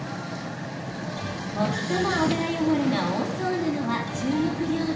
最も油汚れが多そうなのは中国料理。